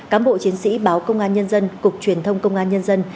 cám bộ chiến sĩ báo công an nhân dân cục truyền thông công an nhân dân